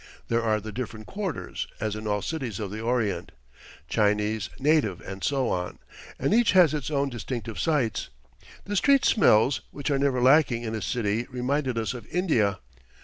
There are the different quarters, as in all cities of the Orient Chinese, native and so on and each has its own distinctive sights. The street smells, which are never lacking in a city, reminded us of India.